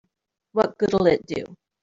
What good'll it do?